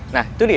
nah itu dia